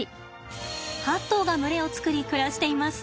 ８頭が群れを作り暮らしています。